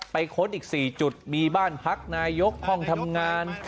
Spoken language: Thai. ค้นอีก๔จุดมีบ้านพักนายกห้องทำงาน